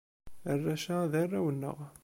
Arrac-a, d arraw-nneɣ.